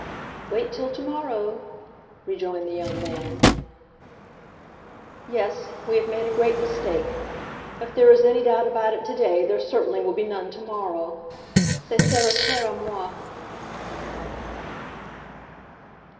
"Wait till tomorrow," rejoined the young man. "Yes, we have made a great mistake. If there is any doubt about it today, there certainly will be none tomorrow. _Ce sera clair, au moins!